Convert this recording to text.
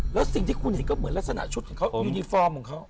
แล้วสิ่งที่คุณเห็นก็เหมือนลักษณะชุดของเขายูนิฟอร์มของเขา